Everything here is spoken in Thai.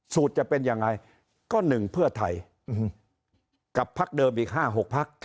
จะเป็นยังไงก็๑เพื่อไทยกับพักเดิมอีก๕๖พัก